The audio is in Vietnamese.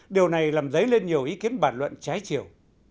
điều này làm dấy lên nhiều ý kiến bản luận trái chiều